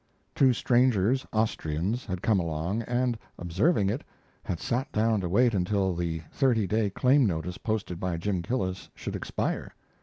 Two strangers, Austrians, had come along and, observing it, had sat down to wait until the thirty day claim notice posted by Jim Gillis should expire.